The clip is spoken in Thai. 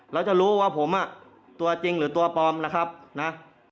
แล้วจะรู้ว่าผมอ่ะตัวจริงหรือตัวปลอมล่ะครับนะ